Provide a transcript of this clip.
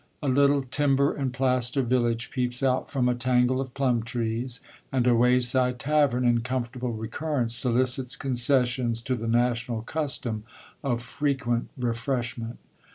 A little timber and plaster village peeps out from a tangle of plum trees, and a way side tavern, in comfortable recurrence, solicits concessions to the national custom of frequent refreshment.